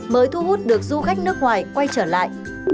mới thu hút được du khách nước ngoài quay trở lại